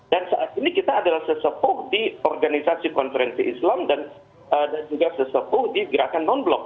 dan saat ini kita adalah sesepuh di organisasi konferensi islam dan juga sesepuh di gerakan non blok